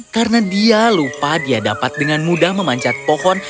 karena dia leopard dengan mudah memanjat pohon